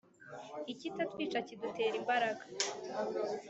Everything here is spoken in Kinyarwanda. ikitatwica kidutera imbaraga.